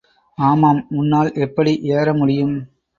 ஆமாம், உன்னால் எப்படி ஏற முடியும்?